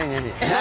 何？